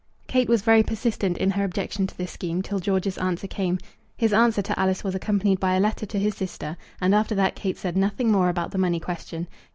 Kate was very persistent in her objection to this scheme till George's answer came. His answer to Alice was accompanied by a letter to his sister, and after that Kate said nothing more about the money question.